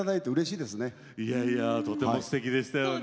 いやいやとてもすてきでしたよね。